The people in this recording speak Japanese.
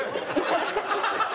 ハハハハ！